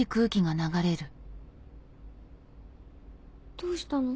どうしたの？